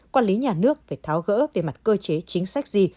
quản lý nhà nước phải tháo gỡ về mặt cơ chế chính sách gì